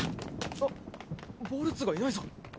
あっボルツがいないぞ。